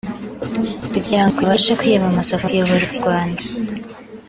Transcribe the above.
kugira ngo abashe kwiyamamaza kuyobora u Rwanda